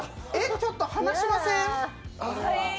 ちょっと話しません？